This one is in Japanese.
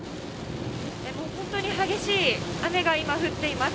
本当に激しい雨が今、降っています。